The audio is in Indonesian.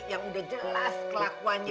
yang udah jelas kelakuannya